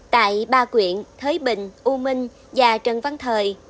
tại ba quyện thới bình u minh và trần văn thời